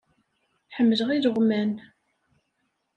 Ḥemmleɣ ileɣman.